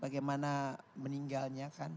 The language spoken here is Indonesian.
bagaimana meninggalnya kan